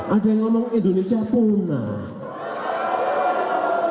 ada yang ngomong indonesia punah